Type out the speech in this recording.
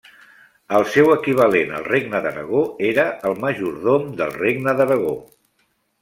El seu equivalent al regne d'Aragó era el majordom del regne d'Aragó.